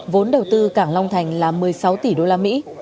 vốn đầu tư cảng long thành là một mươi sáu tỷ usd